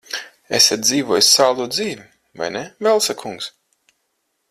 Esat dzīvojis saldu dzīvi, vai ne, Velsa kungs?